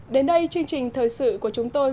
đến đây chương trình thời sự của chúng tôi